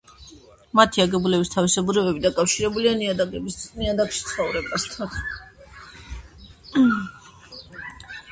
მათი აგებულების თავისებურებები დაკავშირებულია ნიადაგში ცხოვრებასთან.